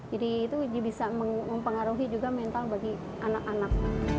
jadi itu bisa mempengaruhi juga mental bagi anak anak